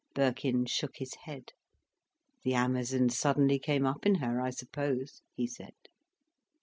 Birkin shook his head. "The Amazon suddenly came up in her, I suppose," he said.